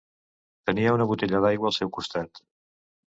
Tenia una botella d'aigua al seu costat.